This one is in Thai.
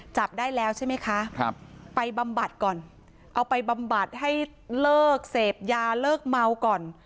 จับได้แล้วใช่ไหมคะไปบำบัดก่อนเอาไปบำบัดให้เลิกเสพยาเลิกเมาก่อน